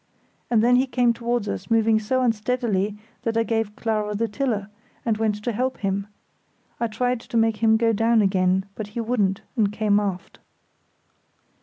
And then he came towards us, moving so unsteadily that I gave Clara the tiller, and went to help him. I tried to make him go down again, but he wouldn't, and came aft.